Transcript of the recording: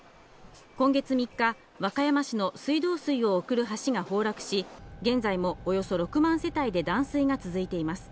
今月３日、和歌山市の水道水を送る橋が崩落し、現在もおよそ６万世帯で断水が続いています。